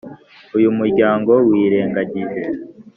uyu muryango wirengagije